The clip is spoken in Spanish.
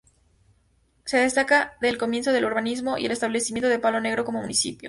Se destaca el comienzo del urbanismo y el establecimiento de Palo Negro como municipio.